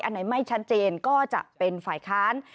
อันไหนไม่ชัดเจนก็จะเป็นฝ่ายค้าน